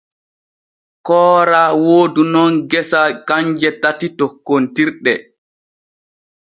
Koora woodu nun gesa kanje tati tokkontirɗe.